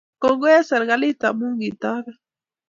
Kongoi eng serkali amu kitoben